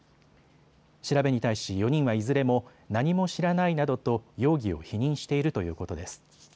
調べに対し４人はいずれも何も知らないなどと容疑を否認しているということです。